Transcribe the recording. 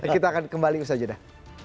kita akan kembali ke usaha judah